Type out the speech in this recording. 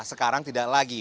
sekarang tidak lagi